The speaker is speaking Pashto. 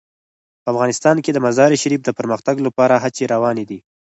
په افغانستان کې د مزارشریف د پرمختګ لپاره هڅې روانې دي.